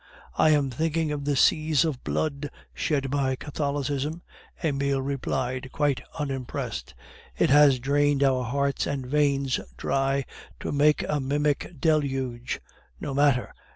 "I am thinking of the seas of blood shed by Catholicism." Emile replied, quite unimpressed. "It has drained our hearts and veins dry to make a mimic deluge. No matter!